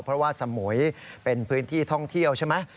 เพราะว่าสมุยเป็นพื้นที่ท่องเที่ยวใช่ไหม